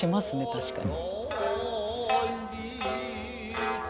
確かに。